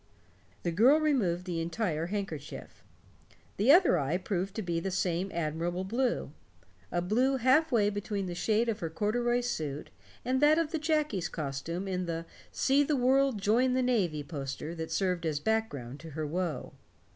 The girl removed the entire handkerchief. The other eye proved to be the same admirable blue a blue half way between the shade of her corduroy suit and that of the jacky's costume in the "See the World Join the Navy" poster that served as background to her woe.